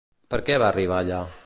Per què va arribar allà?